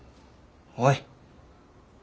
おい。